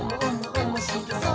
おもしろそう！」